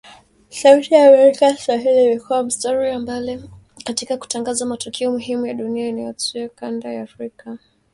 Sauti ya Amerika Swahili imekua mstari wa mbele katika kutangaza matukio muhimu ya dunia na yanayotokea kanda ya Afrika Mashariki na Kati, katika kila nyanja ya habari.